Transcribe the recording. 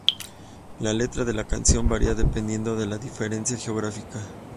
La letra de la canción varía dependiendo de la referencia geográfica.